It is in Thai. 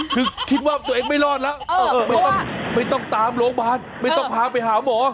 คือคิดว่าตัวเองไม่รอดแล้วไม่ต้องตามโรงพยาบาลไม่ต้องพาไปหาหมอ